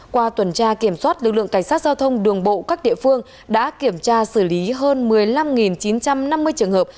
qua tuần tra kiểm soát lực lượng cảnh sát giao thông đường bộ các địa phương đã kiểm tra xử lý hơn một mươi năm chín trăm năm mươi trường hợp